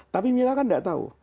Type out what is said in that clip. tapi mila kan tidak tahu